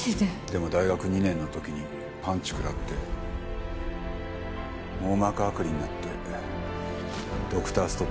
でも大学２年の時にパンチ食らって網膜剥離になってドクターストップです。